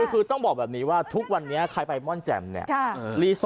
คือต้องบอกแบบนี้ว่าทุกวันนี้ใครไปม่อนแจ่มเนี่ย